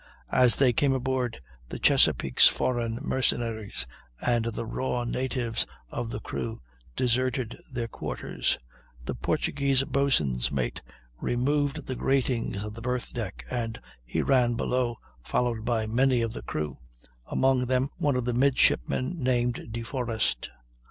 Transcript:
As they came aboard, the Chesapeake's foreign mercenaries and the raw natives of the crew deserted their quarters; the Portuguese boatswain's mate removed the gratings of the berth deck, and he ran below, followed by many of the crew, among them one of the midshipmen named Deforest.